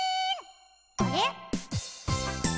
あれ？